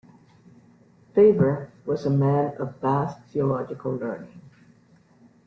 Faber was a man of vast theological learning.